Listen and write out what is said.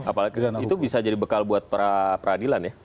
apalagi itu bisa jadi bekal buat peradilan ya